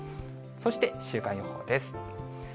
そして週間予報です。